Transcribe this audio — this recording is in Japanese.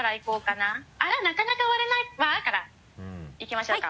なかなか割れないわ」からいきましょうか。